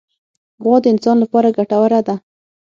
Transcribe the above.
غوا د انسان لپاره ګټوره ده.